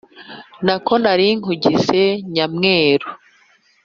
Nako nari nkugize nyamwera